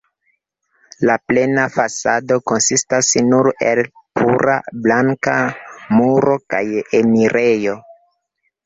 La plena fasado konsistas nur el pura blanka muro kaj enirejo.